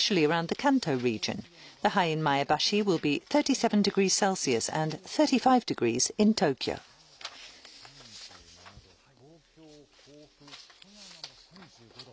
前橋は３７度、東京、甲府、富山も３５度。